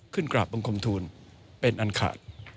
กราบบังคมทูลเป็นอันขาด